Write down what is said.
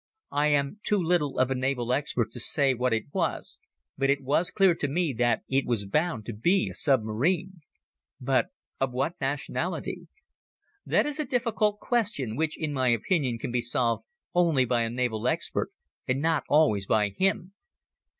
I am too little of a naval expert to say what it was but it was clear to me that it was bound to be a submarine. But of what nationality? That is a difficult question which in my opinion can be solved only by a naval expert, and not always by him.